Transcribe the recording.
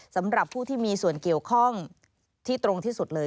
สำหรับผู้ที่มีส่วนเกี่ยวข้องที่ตรงที่สุดเลย